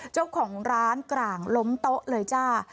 เจ้าของร้านกลางล้มโต๊ะเลยจ้า